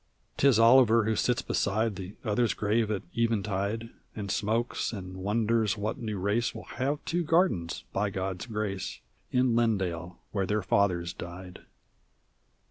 'Tis Oliver who sits beside The other's grave at eventide. And smokes, and wonders what new race Will have two gardens, by God's grace. In Linndale, where their fathers died.